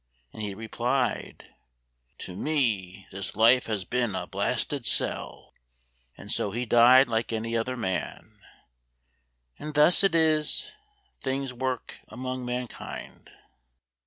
and he replied, "To me this life has been a blasted cell." And so he died like any other man, And thus it is things work among mankind.